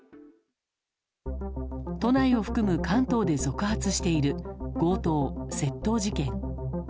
都内を含む関東で続発している強盗・窃盗事件。